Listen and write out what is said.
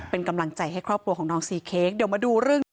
เป็นกำลังใจให้ครอบครัวของน้องซีเค้กเดี๋ยวมาดูเรื่องนี้